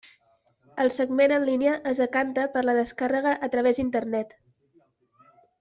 El segment en línia es decanta per la descàrrega a través d'Internet.